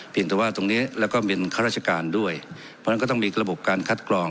แต่ว่าตรงเนี้ยแล้วก็เป็นข้าราชการด้วยเพราะฉะนั้นก็ต้องมีระบบการคัดกรอง